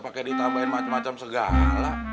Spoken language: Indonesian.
pake ditambahin macem macem segala